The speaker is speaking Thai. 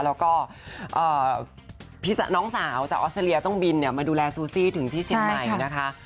แล้วก็น้องสาวจากออสเตรเลียต้องบินมาดูแลซูซี่ถึงที่เชียงใหม่นะคะ